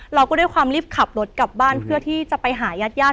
เราก็ด้วยความรีบขับรถกลับบ้านเพื่อที่จะไปหายาด